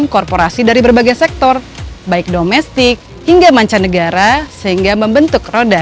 korporasi dari berbagai sektor baik domestik hingga mancanegara sehingga membentuk roda